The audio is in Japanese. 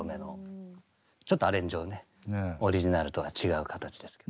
ちょっとアレンジをねオリジナルとは違う形ですけど。